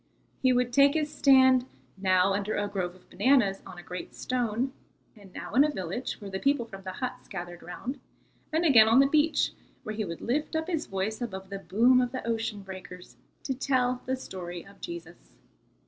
He would take his stand, now under a grove of bananas on a great stone, and now in a village, where the people from the huts gathered round, and again on the beach, where he would lift up his voice above the boom of the ocean breakers to tell the story of Jesus.